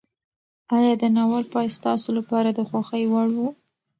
ایا د ناول پای ستاسو لپاره د خوښۍ وړ و؟